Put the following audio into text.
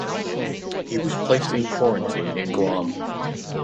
He was placed in quarantine in Guam.